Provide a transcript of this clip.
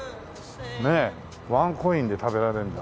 ねえワンコインで食べられるんだ。